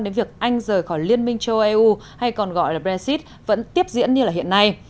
đến việc anh rời khỏi liên minh châu âu eu hay còn gọi là brexit vẫn tiếp diễn như hiện nay